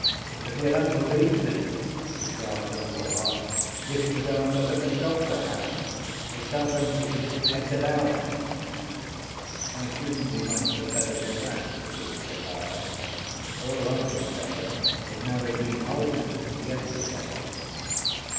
"If you don't believe me," he cries, a little hot, "you can go and look at the copra house. It's half empty to this blessed hour." "I shouldn't be much the better for that, you see," says I. "For all I can tell, it might have been whole empty yesterday."